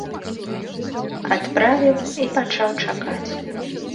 Адправіў і пачаў чакаць.